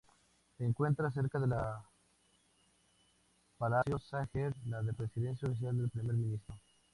Se encuentra cerca de la Palacio Sager, la residencia oficial del primer ministro.